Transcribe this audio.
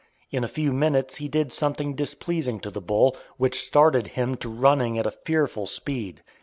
In a few minutes he did something displeasing to the bull, which started him to running at a fearful speed.